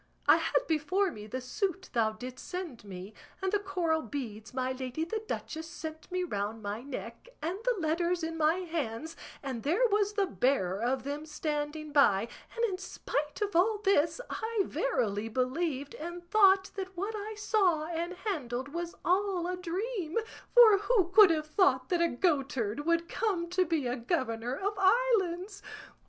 I had before me the suit thou didst send me, and the coral beads my lady the duchess sent me round my neck, and the letters in my hands, and there was the bearer of them standing by, and in spite of all this I verily believed and thought that what I saw and handled was all a dream; for who could have thought that a goatherd would come to be a governor of islands?